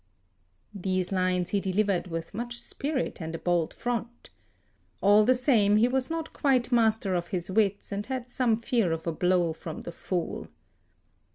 These lines he delivered with much spirit and a bold front. All the same, he was not quite master of his wits, and had some fear of a blow from the fool.